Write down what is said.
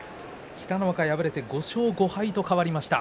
北の若、敗れて５勝５敗と変わりました。